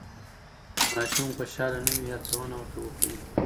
که ماشوم خوشحاله نه وي، هڅونه ورته وکړئ.